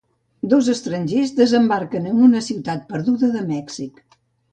Dos estrangers desembarquen en una ciutat perduda de Mèxic.